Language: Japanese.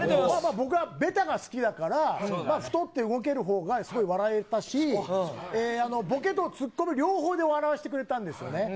僕はベタが好きだから太って動ける方がすごく笑えたしボケとツッコミ両方で笑わせてくれたんです。